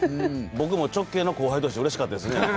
僕も直系の後輩として、うれしかったですね。